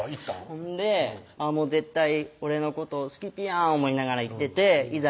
ほんで絶対俺のこと好きピやん思いながら行ってていざ